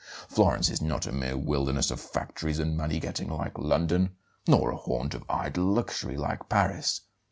Florence is not a mere wilderness of factories and money getting like London, nor a haunt of idle luxury like Paris.